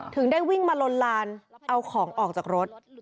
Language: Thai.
ถึงได้วิ่งมาลนลานเอาของออกจากรถ